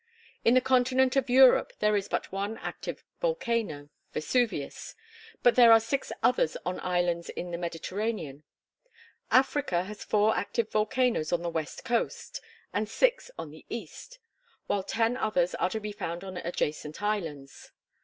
In the continent of Europe there is but one active volcano Vesuvius; but there are six others on islands in the Mediterranean. Africa has four active volcanoes on the west coast, and six on the east; while ten others are to be found on adjacent islands.